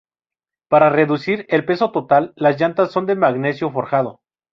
Para reducir el peso total, las llantas son de magnesio forjado.